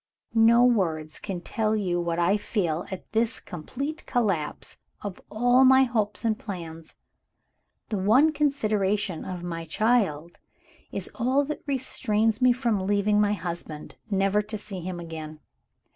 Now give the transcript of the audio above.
"No words can tell you what I feel at this complete collapse of all my hopes and plans. The one consideration of my child is all that restrains me from leaving my husband, never to see him again.